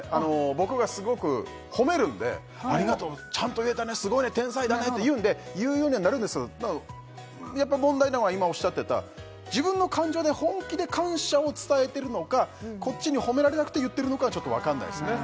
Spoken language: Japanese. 僕がすごく褒めるんで「ありがとうちゃんと言えたねすごいね天才だね」って言うんで言うようにはなるんですけどただやっぱ問題なのは今おっしゃってた自分の感情で本気で感謝を伝えてるのかこっちに褒められたくて言ってるのかは分かんないですね